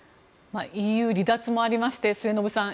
ＥＵ離脱もありまして末延さん